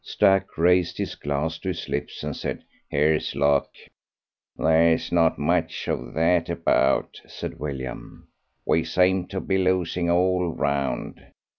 Stack raised his glass to his lips and said, "Here's luck." "There's not much of that about," said William. "We seem to be losing all round.